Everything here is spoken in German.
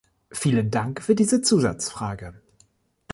Vielen Dank für diese Zusatzfrage.